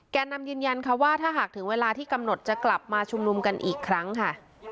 แก่นำยืนยันค่ะว่าถ้าหากถึงเวลาที่กำหนดจะกลับมาชุมนุมกันอีกครั้งค่ะ